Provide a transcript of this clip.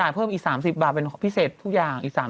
ไอ้อ้วนร้อยเมียวางอยู่นี่